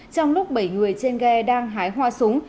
trong lúc bảy người trên ghe đang hái hoa súng